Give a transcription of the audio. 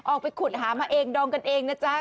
ออกไปขุดหามาเองดองกันเองนะจ๊ะ